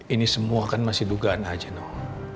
ini semua kan masih dugaan aja ndalo